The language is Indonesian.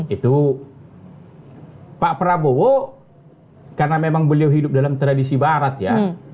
itu pak prabowo karena memang beliau hidup dalam tradisi barat ya